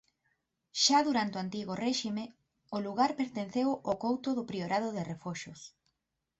Xa durante o Antigo Réxime o lugar pertenceu ao couto do priorado de Refoxos.